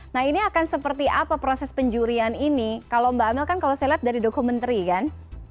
nah ini akan seperti apa proses penjurian ini kalau mbak amel kan kalau saya lihat dari dokumenteri kan